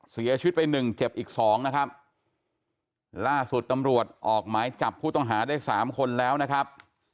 เสียชีวิตไปหนึ่งเจ็บอีกสองนะครับล่าสุดตำรวจออกหมายจับผู้ต้องหาได้สามคนแล้วนะครับ